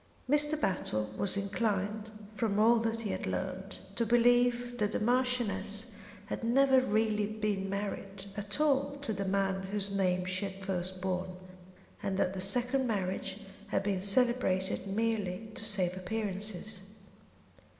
Mr. Battle was inclined, from all that he had learned, to believe that the Marchioness had never really been married at all to the man whose name she had first borne, and that the second marriage had been celebrated merely to save appearances.